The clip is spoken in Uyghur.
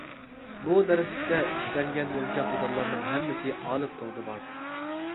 بۇ دەرسلىكتە ئىشلەنگەن يۇمشاق دېتاللارنىڭ ھەممىسى ئالىپ تورىدا بار.